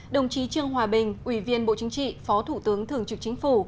đồng chí trương hòa bình ủy viên bộ chính trị phó thủ tướng thường trực chính phủ